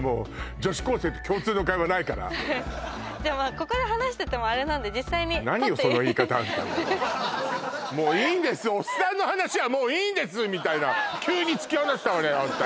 ここで話しててもあれなんで実際に撮って「もういいんですおっさんの話はもういいんです」みたいな急に突き放したわねあんた